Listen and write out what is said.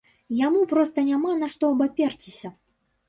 Яму проста няма на што абаперціся.